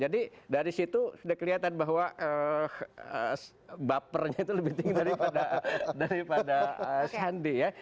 jadi dari situ sudah kelihatan bahwa bapernya itu lebih tinggi daripada sandi ya